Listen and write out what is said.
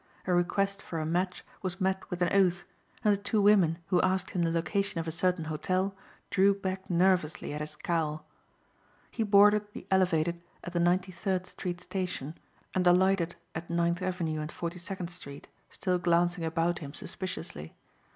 A request for a match was met with an oath and the two women who asked him the location of a certain hotel drew back nervously at his scowl. He boarded the Elevated at the Ninety third Street station and alighted at Ninth Avenue and Forty second Street, still glancing about him suspiciously.